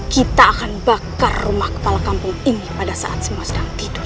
kita akan bakar rumah kepala kampung ini pada saat semua sedang tidur